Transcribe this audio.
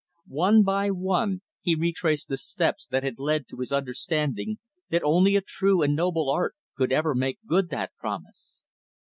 One by one, he retraced the steps that had led to his understanding that only a true and noble art could ever make good that promise.